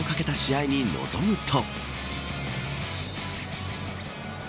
４勝目をかけた試合に臨むと。